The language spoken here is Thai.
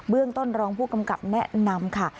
เรื่องต้นรองผู้กำกับแนะนำค่ะ